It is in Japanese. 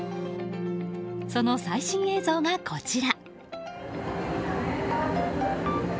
その最新映像がこちら。